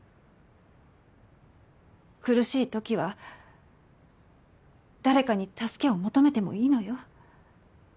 苦しい時は誰かに助けを求めてもいいのよ。